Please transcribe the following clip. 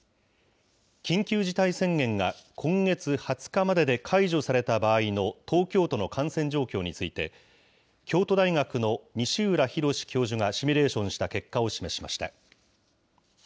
緊急事態宣言が今月２０日までで解除された場合の東京都の感染状況について、京都大学の西浦博教授がシミュレーションした結果を示しました。